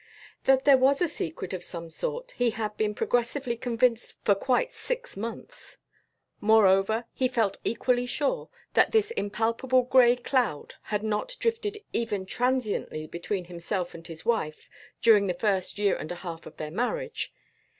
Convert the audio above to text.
That there was a secret of some sort he had been progressively convinced for quite six months. Moreover, he felt equally sure that this impalpable gray cloud had not drifted even transiently between himself and his wife during the first year and a half of their marriage.